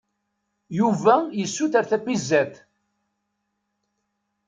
Yuba yessuter tapizzat.